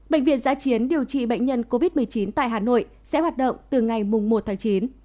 bệnh viện giã chiến điều trị bệnh nhân covid một mươi chín tại hà nội sẽ hoạt động từ ngày một tháng chín